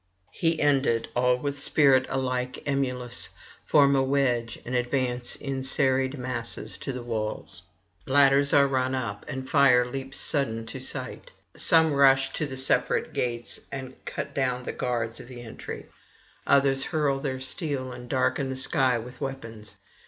He ended; all with spirit alike emulous form a wedge and advance in serried masses to the walls. Ladders are run [576 611]up, and fire leaps sudden to sight. Some rush to the separate gates, and cut down the guards of the entry, others hurl their steel and darken the sky with weapons.